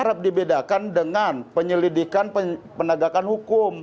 ini tetap dibedakan dengan penyelidikan penegakan hukum